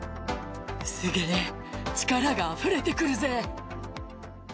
すげえ、力があふれてくるぜ。